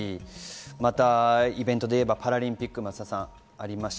またイベントで言えばパラリンピックもありますし。